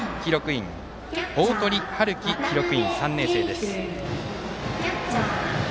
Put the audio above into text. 員大鳥遥貴記録員、３年生です。